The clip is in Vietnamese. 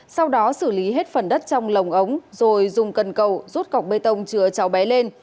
sau đó xử lý hết phần đất trong lồng ống rồi dùng cần cầu rút cọc bê tông chứa cháu bé lên